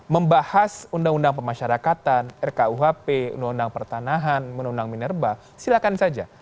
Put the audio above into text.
membahas undang undang pemasyarakatan rkuhp undang undang pertanahan undang undang minerba silakan saja